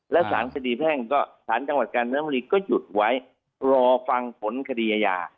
แล้วสถานที่คดีแภงก็สถานจังหวัดการเนรมศ์มรีก็หยุดไว้รอฟังผลคดีอาญา